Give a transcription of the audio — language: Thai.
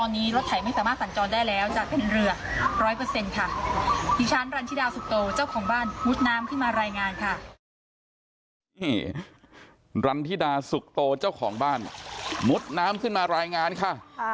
นี่รันธิดาธิดาสุขโตเจ้าของบ้านมุดน้ำขึ้นมารายงานค่ะ